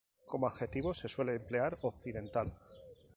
Como adjetivo se suele emplear occidental.